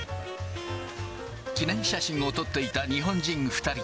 記念写真を撮っていた日本人２人。